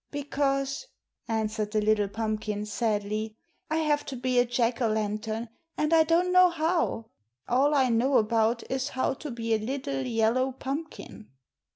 "Because," answered the little pumpkin, sadly, "I have to be a Jack o' lantern, and I don't know how. All I know about is how to be a little yellow pumpkin."